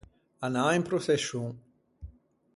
Anâ in proçescion.